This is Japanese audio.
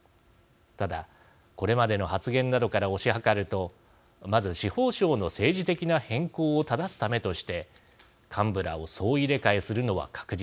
ただこれまでの発言などから推し量るとまず司法省の政治的な偏向を正すためとして幹部らを総入れ替えするのは確実。